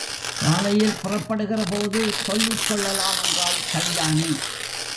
காலையில் புறப்படுகிற போது சொல்லிக் கொள்ளலாம் என்றாள் கல்யாணி.